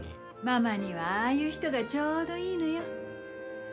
ママにはああいう人がちょうどいいのよ。